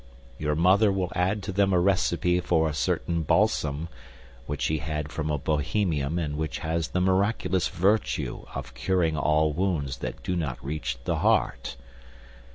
Your mother will add to them a recipe for a certain balsam, which she had from a Bohemian and which has the miraculous virtue of curing all wounds that do not reach the heart.